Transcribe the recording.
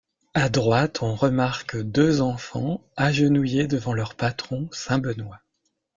À droite on remarque deux enfants agenouillés devant leur patron Saint-Benoît.